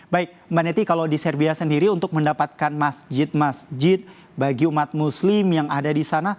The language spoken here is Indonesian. baik mbak neti kalau di serbia sendiri untuk mendapatkan masjid masjid bagi umat muslim yang ada di sana